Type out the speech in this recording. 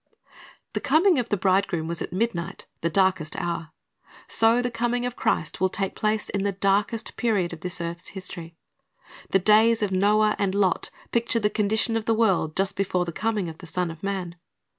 The coming of the bridegroom was at midnight, — the darkest hour. So the coming of Christ will take place in the darkest period of this earth's history. The days of Noah and Lot picture the condition of the world just before the coming of the Son of man.